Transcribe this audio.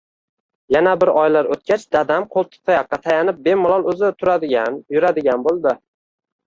Yana bir oylar oʻtgach, dadam qoʻltiqtayoqqa tayanib bemalol oʻzi turadigan, yuradigan boʻldi.